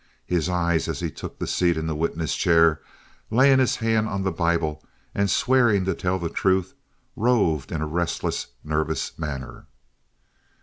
His eyes, as he took his seat in the witness chair, laying his hand on the Bible and swearing to tell the truth, roved in a restless, nervous manner.